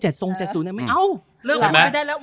ไม่เอาเริ่มพูดไม่ได้แล้ว